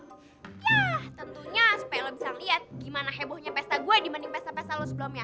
ya tentunya supaya lo bisa ngeliat gimana hebohnya pesta gua dibanding pesta pesta lo sebelumnya